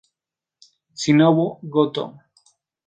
Shinobu Gotō